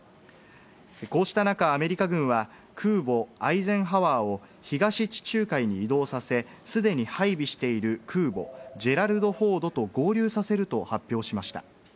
こうした中、アメリカ軍は、空母「アイゼンハワー」を東地中海に移動させ、既に配備している空母「ジェラルド・フォード」と合流させると発表しました。